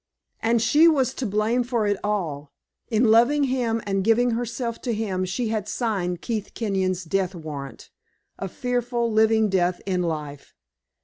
And she was to blame for it all. In loving him and giving herself to him she had signed Keith Kenyon's death warrant a fearful, living death in life.